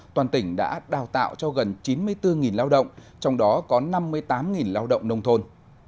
toàn tỉnh đã đào tạo cho gần chín mươi bốn lao động trong đó có năm mươi tám lao động nông thôn